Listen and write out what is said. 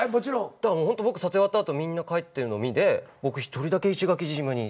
だからホント僕撮影終わった後みんな帰ってるのを見て僕一人だけ石垣島に。